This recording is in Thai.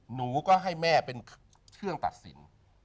หนูก็ให้แม่เป็นเครื่องตัดสิน